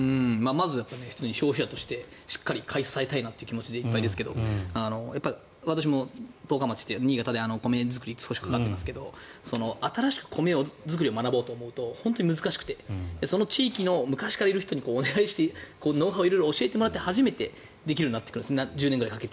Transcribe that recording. まず消費者としてしっかり買い支えしたいという気持ちでいっぱいですけど私も十日町、新潟で米作りに少し関わっていますが新しく米作りを学ぼうとすると難しくてその地域の昔からいる人にノウハウを教えてもらって初めてできるようになるんです。